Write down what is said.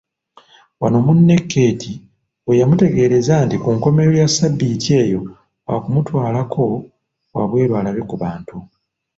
Wano munne Keeti weyamutegeereza nti ku nkomerero ya ssabbiiti eyo wa kumutwalako wabweru alabe ku bantu.